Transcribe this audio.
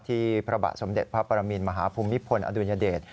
พระบาทสมเด็จพระปรมินมหาภูมิพลอดุญเดช